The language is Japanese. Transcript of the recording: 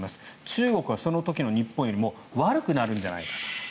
中国はその時の日本よりも悪くなるんじゃないか。